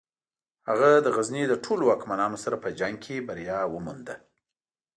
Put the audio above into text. هغه د غزني له ټولو واکمنانو سره په جنګ کې بریا ومونده.